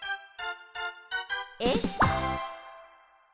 えっ？